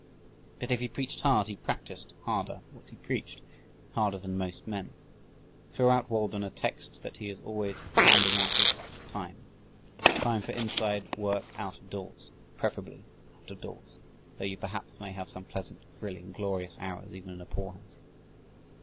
But if he preached hard he practiced harder what he preached harder than most men. Throughout Walden a text that he is always pounding out is "Time." Time for inside work out of doors; preferably out of doors, "though you perhaps may have some pleasant, thrilling, glorious hours, even in a poor house."